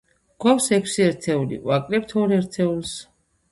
გვაქვს ექვსი ერთეული, ვაკლებთ ორ ერთეულს.